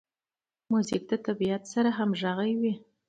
موزیک د طبیعت سره همغږی وي.